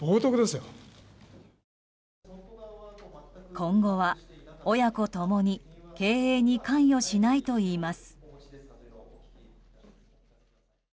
今後は、親子共に経営に関与しないといいます。